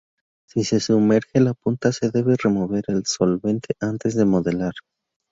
Si se sumerge la punta se debe remover el solvente antes de modelar.